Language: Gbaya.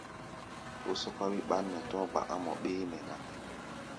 Ó sɔ́ká wí ɓán nɛ tɔ̧́á̧ gba̧Ꞌá̧ mɔ béémɛ ná.